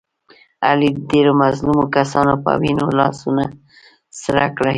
علي د ډېرو مظلومو کسانو په وینو لاسونه سره کړي.